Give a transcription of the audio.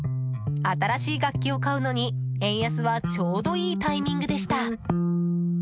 新しい楽器を買うのに、円安はちょうどいいタイミングでした。